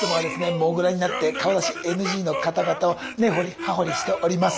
モグラになって顔出しＮＧの方々をねほりはほりしております